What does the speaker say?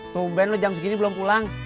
tumben lo jam segini belum pulang